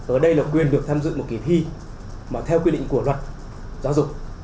ở đây là quyền được tham dự một kỳ thi mà theo quy định của luật giáo dục